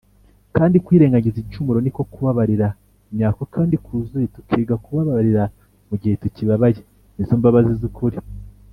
kandi kwirengagiza igicumuro niko kubabarira nyako kandi kuzuye tukiga kubabarira mugihe tukibabaye nizo mbabazi z’ukuri.